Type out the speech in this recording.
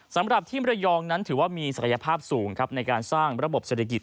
สำหรับที่มรยองนั้นถือว่ามีศักยภาพสูงครับในการสร้างระบบเศรษฐกิจ